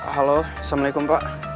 halo assalamualaikum pak